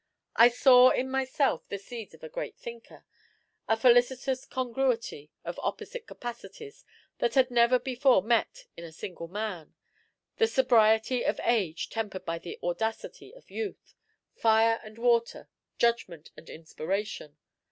I saw in myself the seeds of a great thinker: a felicitous congruity of opposite capacities that had never before met in a single man the sobriety of age tempered by the audacity of youth, fire and water, judgment and inspiration.